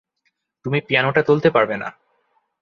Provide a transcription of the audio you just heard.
তুমি পিয়ানোটা তুলতে পারবে না।